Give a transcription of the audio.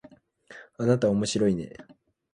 あなたおもしろいね